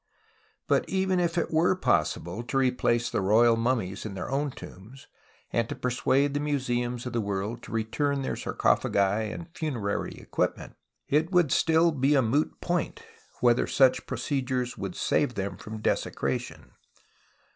But even if it were possible to replace the royal mummies in tlieir own tombs, and to persuade the museums of tlie world to return their sarcophao i and funerary equipment, it would still be a moot point whether such pro cedures would save them from desecration.